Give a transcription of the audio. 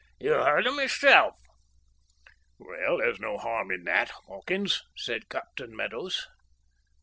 You heard 'em yourself." "Well, there's no harm in that, Hawkins," said Captain Meadows.